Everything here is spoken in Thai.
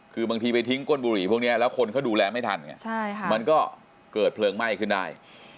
คือบางทีไปทิ้งก้นบุหรี่พวกนี้แล้วคนเขาดูแลไม่ทันไงมันก็เกิดเพลิงไหม้ขึ้นได้